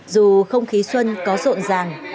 dù không khí xuân có rộn ràng